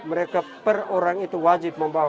mereka per orang itu wajib membawa